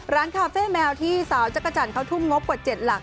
คาเฟ่แมวที่สาวจักรจันทร์เขาทุ่มงบกว่า๗หลัก